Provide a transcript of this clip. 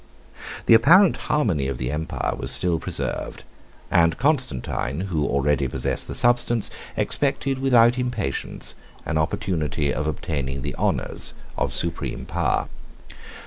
The apparent harmony of the empire was still preserved, and Constantine, who already possessed the substance, expected, without impatience, an opportunity of obtaining the honors, of supreme power.